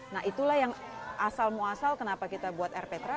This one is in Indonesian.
nah itulah yang asal muasal kenapa kita buat rptra